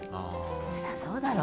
そりゃそうだろう。